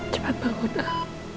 cepat bangun ah